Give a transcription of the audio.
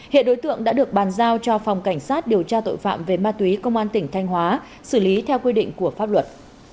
hiện đối tượng đã được bàn giao cho phòng cảnh sát điều tra tội phạm về ma túy công an tỉnh thanh hóa xử lý theo quy định của pháp luật